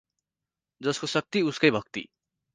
जसको शक्ति उसकै भक्ति